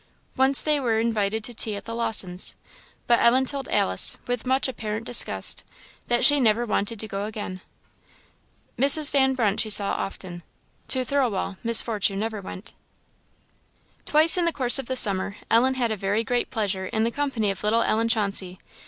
Once they were invited to tea at the Lawsons'; but Ellen told Alice, with much apparent disgust, that she never wanted to go again. Mrs. Van Brunt she saw often. To Thirlwall, Miss Fortune never went. Twice in the course of the summer Ellen had a very great pleasure in the company of little Ellen Chauncey.